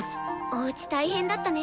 おうち大変だったね。